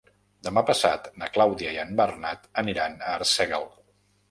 Demà passat na Clàudia i en Bernat aniran a Arsèguel.